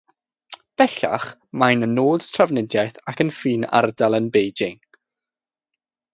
Bellach mae'n nod trafnidiaeth ac yn ffin ardal yn Beijing.